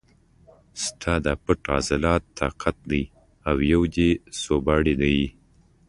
ستا دا پټ عضلات طاق دي او یو دې سوباړی دی.